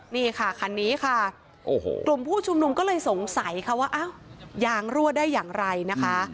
นี่ค่ะคันนี้ค่ะกลุ่มผู้ชุมนุมก็เลยสงสัยค่ะว่าอ้าวยางรั่วได้อย่างไรนะคะ